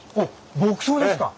牧草ですか。